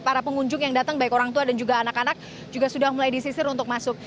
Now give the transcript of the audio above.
para pengunjung yang datang baik orang tua dan juga anak anak juga sudah mulai disisir untuk masuk